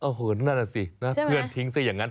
โอ้โหนั่นแหละสิเพื่อนทิ้งซะอย่างนั้น